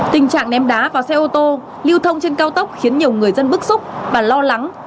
tình trạng ném đá vào xe ô tô lưu thông trên cao tốc khiến nhiều người dân bức xúc và lo lắng